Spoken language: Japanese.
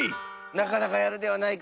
なかなかやるではないか。